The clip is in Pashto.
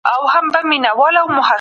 ذهني توازن د وخت احساس سموي.